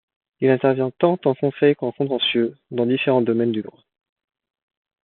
Il intervient tant en conseil qu'en contentieux, dans différents domaines du droit.